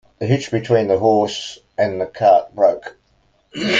The hitch between the horse and cart broke.